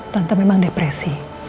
tante memang depresi